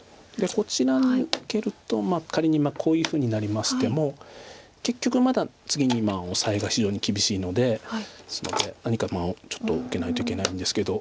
こちらに受けると仮にこういうふうになりましても結局まだ次にオサエが非常に厳しいので何かちょっと受けないといけないんですけど。